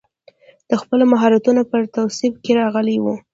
د خپلو مهارتونو پر توصیف کې راغلی و.